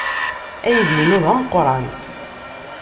Aydi-inu d ameqran.